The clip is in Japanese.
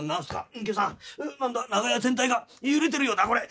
隠居さん何だ長屋全体が揺れてるよなこれ。